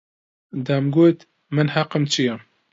دەمگوت: من حەقم چییە؟